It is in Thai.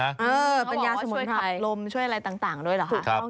เขาบอกว่าช่วยขับลมช่วยอะไรต่างด้วยหรอค่ะ